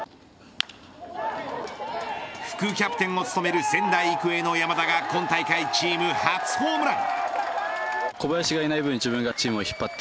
副キャプテンを務める仙台育英の山田が今大会チーム初ホームラン。